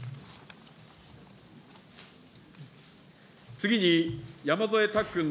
次に山添拓君の。